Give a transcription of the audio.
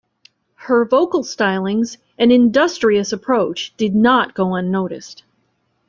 Her vocal stylings and industrious approach did not go unnoticed.